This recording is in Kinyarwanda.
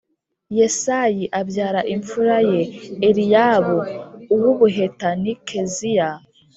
Yesayi abyara imfura ye Eliyabu uw ubuheta ni keziya